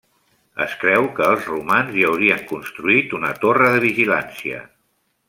Es creu que els romans hi haurien construït una torre de vigilància.